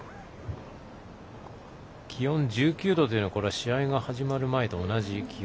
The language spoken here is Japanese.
気温１９度での試合が始まる前と同じ気温。